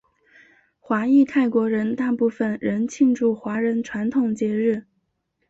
华裔泰国人大部分仍庆祝华人传统节日。